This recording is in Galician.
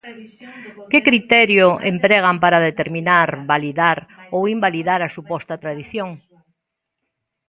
Que criterio empregan para determinar, validar ou invalidar a suposta tradición?